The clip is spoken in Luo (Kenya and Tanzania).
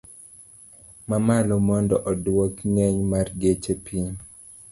Ma malo mondo odwok ng'eny mar geche piny